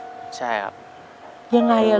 ปิดเท่าไหร่ก็ได้ลงท้ายด้วย๐เนาะ